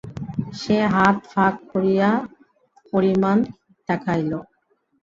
সে হাত ফাক করিয়া পরিমাণ দেখাইল।